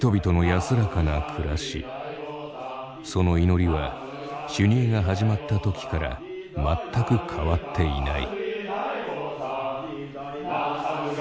その祈りは修二会が始まった時から全く変わっていない。